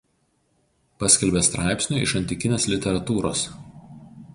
Paskelbė straipsnių iš antikinės literatūros.